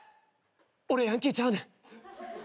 俺ヤンキーちゃうねん。